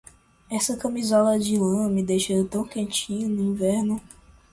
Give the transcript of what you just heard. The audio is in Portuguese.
Esta camisola de lã deixa-me tão quentinho no inverno.